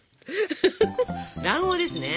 卵黄ですね。